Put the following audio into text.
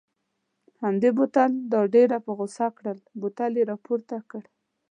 همدې بوتل دا ډېره په غوسه کړل، بوتل یې را پورته کړ.